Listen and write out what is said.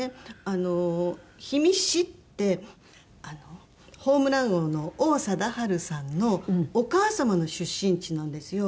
あの氷見市ってホームラン王の王貞治さんのお母様の出身地なんですよ。